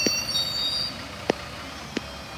دا په دې سیمه کې یوازینۍ واکمنه کورنۍ وه.